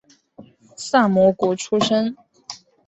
萨摩国出身。